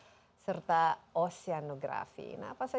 ekspedisi indonesia prima